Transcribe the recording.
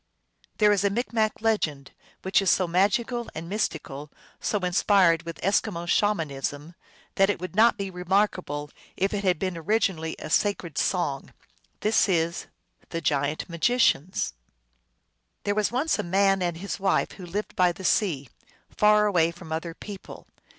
There is a Micmac legend which is so magical and mystical, so inspired with Eskimo Shamanism, that it 368 THE ALGONQUIN LEGENDS. would not be remarkable if it had been originally a sacred song. This is The Giant Magicians. There was once a man and his wife who lived by the sea, far away from other people.